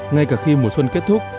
ngay cả khi mùa xuân kết thúc